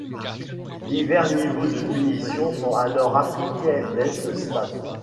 Divers niveaux de punition sont alors appliqués dès ce stade.